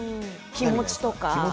気持ちとか。